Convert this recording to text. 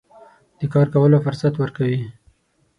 د کار کولو فرصت ورکوي.